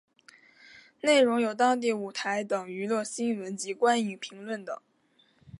内容有当地舞台等娱乐圈新闻及观影评论等。